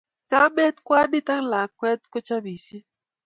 Kamet, kwanit ak lakwet kochopisiei